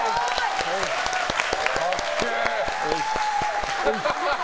かっけー！